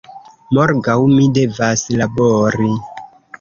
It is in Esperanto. Morgaŭ mi devas labori"